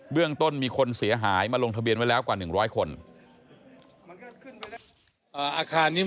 เรื่องต้นมีคนเสียหายมาลงทะเบียนไว้แล้วกว่า๑๐๐คน